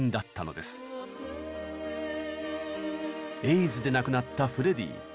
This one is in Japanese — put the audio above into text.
エイズで亡くなったフレディ。